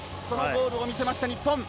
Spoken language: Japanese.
そのゴールを見せました、日本。